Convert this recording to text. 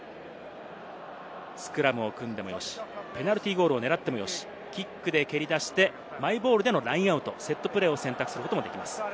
スクラムを組んでもよし、ペナルティーゴールを狙ってもよし、キックで蹴り出してマイボールでのラインアウト、セットプレーを選択することもできます。